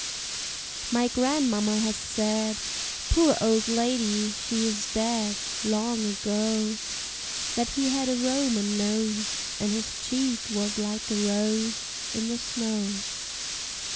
My grandmamma has said Poor old lady! she is dead Long ago That he had a Roman nose, And his cheek was like a rose In the snow.